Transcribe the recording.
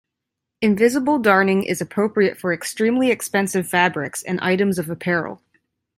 Invisible darning is appropriate for extremely expensive fabrics and items of apparel.